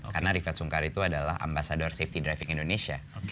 karena rifat sungkar itu adalah ambasador safety driving indonesia